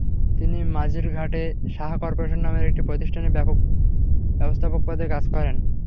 তিনি মাঝিরঘাটে সাহা করপোরেশন নামের একটি প্রতিষ্ঠানে ব্যবস্থাপক পদে কাজ করেন।